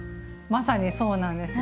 まさにそうなんです。